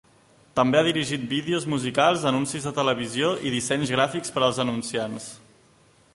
També ha dirigit vídeos musicals, anuncis de televisió i dissenys gràfics per als anunciants.